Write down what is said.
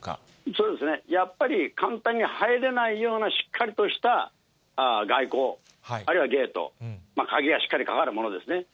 そうですね、やっぱり簡単に入れないような、しっかりとしたがいこう、あるいはゲート、鍵がしっかりかかるものですね。